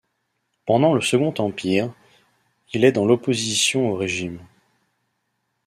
Pendant le Second Empire, il est dans l'opposition au régime.